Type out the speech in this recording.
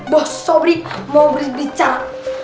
bok sobri mau berbicara